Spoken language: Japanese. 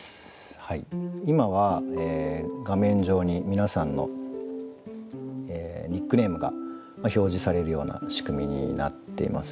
今は画面上に皆さんのニックネームが表示されるような仕組みになっていますね。